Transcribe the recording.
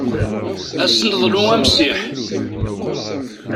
Ad sen-neḍlu amsiḥ.